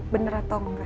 bener atau nggak